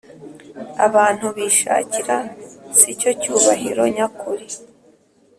abantu bishakira si cyo cyubahiro nyakuri